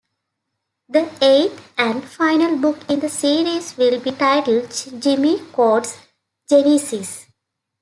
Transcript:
The eighth and final book in the series will be titled "Jimmy Coates: Genesis".